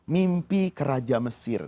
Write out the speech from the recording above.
mimpi keraja mesir